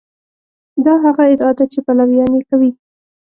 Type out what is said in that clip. دا هغه ادعا ده چې پلویان یې کوي.